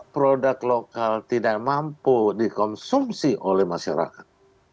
produk lokal tidak mampu dikonsumsi oleh masyarakat